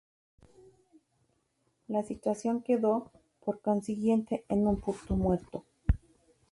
La situación quedó, por consiguiente, en un punto muerto.